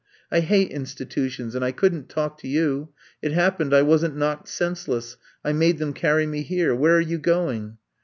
^'I hate institutions and I couldn't talk to you. It happened I wasn't knocked senseless. I made them carry me here. Where are you going?"